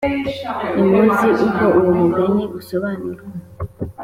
ntimuzi uko uwo mugani usobanurwa